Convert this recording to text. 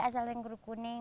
asal yang berukun ini